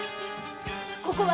ここは？